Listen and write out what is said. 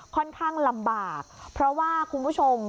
ค่อนข้างลำบากเพราะว่าคุณผู้ชม